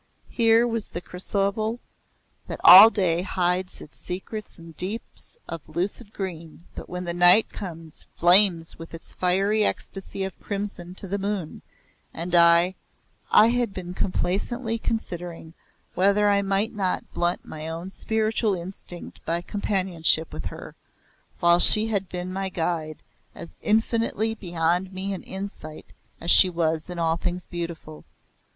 Here was the chrysoberyl that all day hides its secret in deeps of lucid green but when the night comes flames with its fiery ecstasy of crimson to the moon, and I I had been complacently considering whether I might not blunt my own spiritual instinct by companionship with her, while she had been my guide, as infinitely beyond me in insight as she was in all things beautiful.